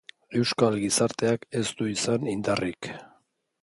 Euskal gizarteak ez du izan indarrik.